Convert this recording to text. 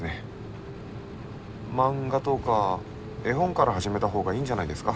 漫画とか絵本から始めた方がいいんじゃないですか？